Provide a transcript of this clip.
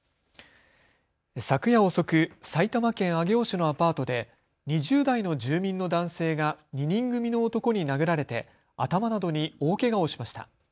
昨夜遅く埼玉県上尾市のアパートで２０代の住民の男性が２人組の男に殴られて頭などに大けがをしました。